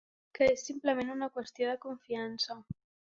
Que és simplement una qüestió de confiança.